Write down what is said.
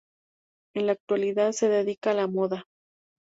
En la actualidad se dedica a la moda.